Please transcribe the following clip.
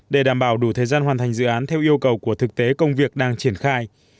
để đảm bảo đủ thời gian hoàn thành dự án theo yêu cầu của thực tế công việc đang triển khai